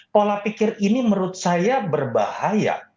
pola pikir ini menurut saya berbahaya